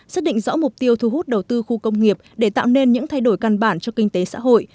xác định rõ mục tiêu thu hút đầu tư khu công nghiệp để tạo nên những thay đổi căn bản cho kinh tế xã hội